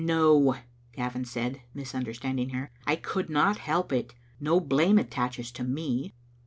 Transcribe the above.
"No," Gavin said, misunderstanding her, "I could not help it. No blame attaches to me."